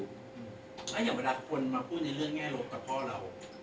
แล้วอย่างเวลาคนมาพูดในเรื่องแง่ลบกับพ่อเรา